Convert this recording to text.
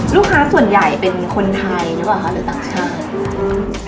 ลูกค้าส่วนใหญ่เป็นคนไทยหรือต่างชาติ